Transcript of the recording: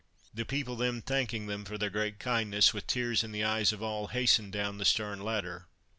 The people then thanking them for their great kindness, with tears in the eyes of all, hastened down the stern ladder.